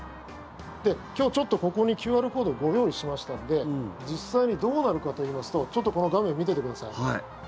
今日、ちょっとここにＱＲコードをご用意しましたので実際にどうなるかといいますとこの画面、見ててください。